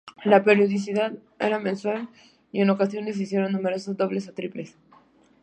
La periodicidad era mensual y en ocasiones se hicieron números dobles o triples.